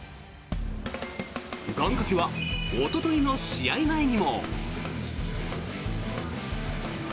願掛けはおとといの試合前にも。